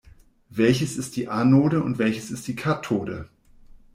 Welches ist die Anode und welches die Kathode?